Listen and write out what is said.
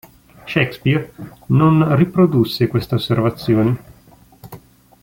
Shakespeare non riprodusse questa osservazione.